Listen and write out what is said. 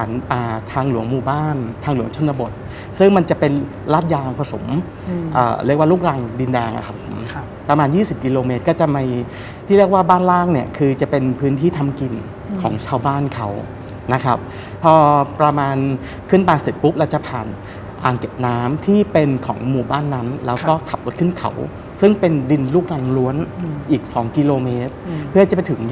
ทางหลวงหมู่บ้านทางหลวงชนบทซึ่งมันจะเป็นลาดยางผสมเรียกว่าลูกรังดินแดงอะครับผมครับประมาณยี่สิบกิโลเมตรก็จะมีที่เรียกว่าบ้านล่างเนี่ยคือจะเป็นพื้นที่ทำกินของชาวบ้านเขานะครับพอประมาณขึ้นไปเสร็จปุ๊บเราจะผ่านอ่างเก็บน้ำที่เป็นของหมู่บ้านนั้นแล้วก็ขับรถขึ้นเขาซึ่งเป็นดินลูกรังล้วนอืมอีกสองกิโลเมตรเพื่อจะไปถึง